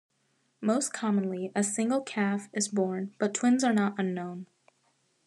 Most commonly a single calf is born, but twins are not unknown.